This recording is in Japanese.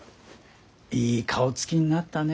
いい顔つきになったね。